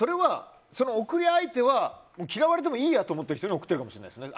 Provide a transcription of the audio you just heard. その送り相手は嫌われてもいいやっていう人に送ってるかもしれないですね。